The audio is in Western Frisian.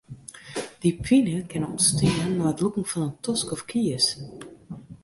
Dy pine kin ûntstean nei it lûken fan in tosk of kies.